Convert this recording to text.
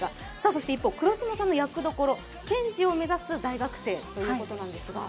そして一方、黒島さんの役どころ、検事を目指す大学生ということですが。